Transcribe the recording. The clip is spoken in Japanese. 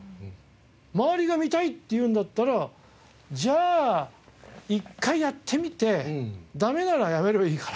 周りが見たいって言うんだったらじゃあ一回やってみてダメならやめればいいから。